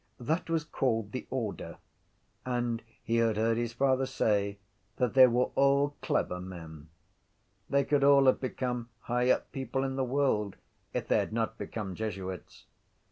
That was called the order: and he had heard his father say that they were all clever men. They could all have become high up people in the world if they had not become jesuits.